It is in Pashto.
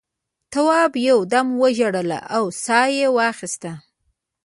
تواب یو دم وژړل او سا یې واخیسته.